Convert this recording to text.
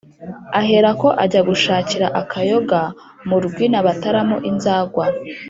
aherako ajya gushakira akayoga mu rwina bataramo inzagwa.